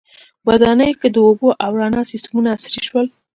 • ودانیو کې د اوبو او رڼا سیستمونه عصري شول.